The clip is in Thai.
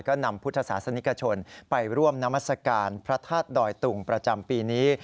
ก็นำพุทธศาสนิกชนไปร่วมนามัศกาลพระธาตุดอยตุงประจำปีนี้